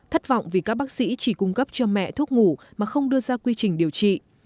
thất vọng vì các bác sĩ chỉ cung cấp cho mẹ thuốc ngủ mà không đưa ra quy trình điều trị